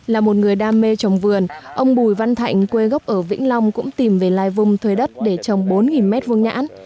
là một người đam mê trồng vườn ông bùi văn thạnh quê gốc ở vĩnh long cũng tìm về lai vung thuê đất để trồng bốn mét vườn nhãn